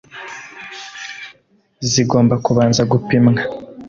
zigomba kubanza gupimwa